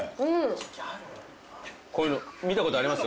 こういうの見たことあります？